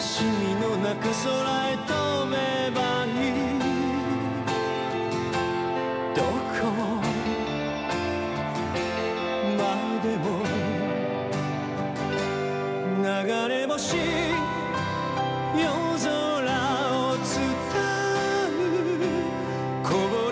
宇宙−ソラ−へ飛べばいいどこまでも流れ星夜空を伝うこぼれ